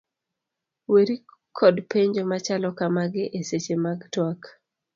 Weri kod penjo machalo ka magi e seche mag tuak: